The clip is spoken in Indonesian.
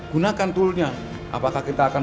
gunakan toolnya apakah kita akan